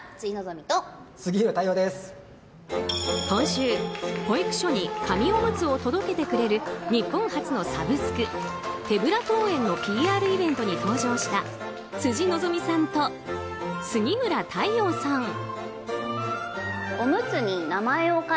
今週、保育所に紙おむつを届けてくれる日本初のサブスク、手ぶら登園のＰＲイベントに登場した辻希美さんと杉浦太陽さん。